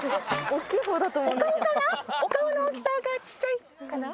お顔の大きさが小っちゃいかな？